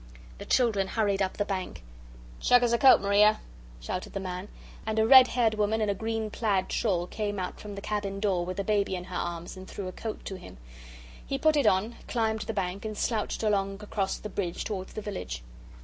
The children hurried up the bank. "Chuck us a coat, M'ria," shouted the man. And a red haired woman in a green plaid shawl came out from the cabin door with a baby in her arms and threw a coat to him. He put it on, climbed the bank, and slouched along across the bridge towards the village.